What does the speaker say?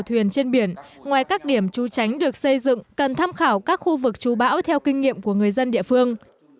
tàu thuyền trên biển ngoài các điểm trú tránh được xây dựng cần tham khảo các khu vực trú bão theo kinh nghiệm của người dân địa phương